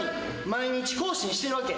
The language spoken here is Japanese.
毎日更新してるわけ。